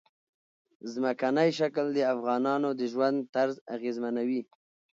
ځمکنی شکل د افغانانو د ژوند طرز اغېزمنوي.